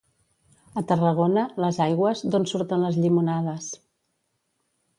A Tarragona, les aigües, d'on surten les llimonades.